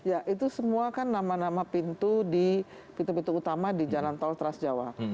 ya itu semua kan nama nama pintu di pintu pintu utama di jalan tol trans jawa